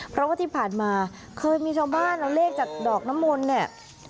เพราะว่าที่ผ่านมาเคยมีชาวบ้านเอาเลขจากดอกน้ำมนต์เนี่ย